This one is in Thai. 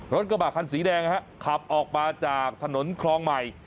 รถกระบะคันสีแดงขับออกมาจากถนนคลองใหม่